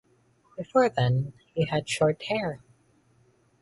Before then, he had short hair.